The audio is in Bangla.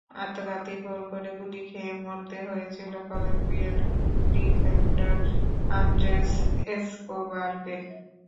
আত্মঘাতী গোল করে গুলি খেয়ে মরতে হয়েছিল কলম্বিয়ান ডিফেন্ডার আন্দ্রেস এসকোবারকে।